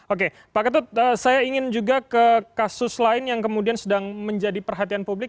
oke pak ketut saya ingin juga ke kasus lain yang kemudian sedang menjadi perhatian publik